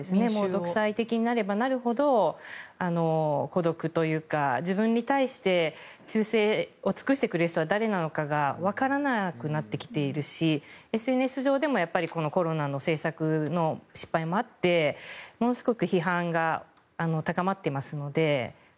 独裁的になればなるほど孤独というか自分に対して忠誠を尽くしてくれる人は誰なのかがわからなくなってきているしＳＮＳ上でもコロナの政策の失敗もあってものすごく批判が高まっていますので。